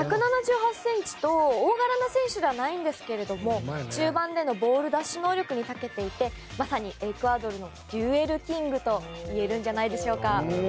１７８ｃｍと大柄な選手ではないんですが中盤でのボール奪取能力に長けていてまさにエクアドルのデュエルキングといえるんじゃないでしょうか。